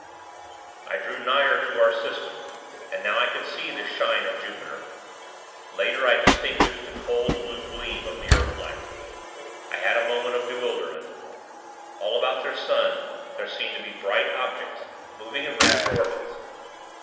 I drew nigher to our system, and now I could see the shine of Jupiter. Later, I distinguished the cold, blue gleam of the earthlight.... I had a moment of bewilderment. All about the sun there seemed to be bright, objects, moving in rapid orbits.